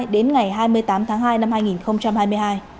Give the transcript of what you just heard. đến ngày hai mươi tám tháng hai năm hai nghìn hai mươi hai